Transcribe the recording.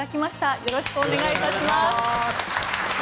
よろしくお願いします。